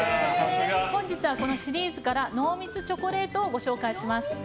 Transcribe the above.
本日は、このシリーズから濃密チョコレートをご紹介します。